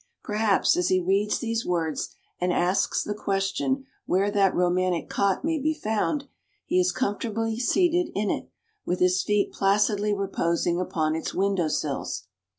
Perhaps as he reads these words and asks the question where that romantic cot may be found, he is comfortably seated in it, with his feet placidly reposing upon its window sills.